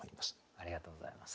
ありがとうございます。